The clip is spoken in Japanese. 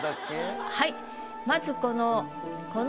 はい。